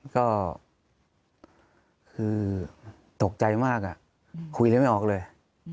ก็คือตกใจมากคุยอะไรไม่ออกเลย